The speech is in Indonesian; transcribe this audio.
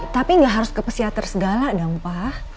tapi gak harus ke psikiater segala dong pak